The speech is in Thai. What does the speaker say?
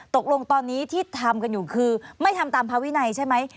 ตกลงตอนนี้ที่ทำกันอยู่คือไม่ทำตามภาวินัยใช่ไหม